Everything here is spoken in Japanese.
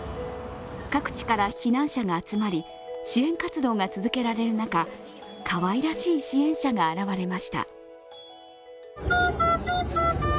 各地から避難者が集まり支援活動が続けられる中かわいらしい支援者が現れました。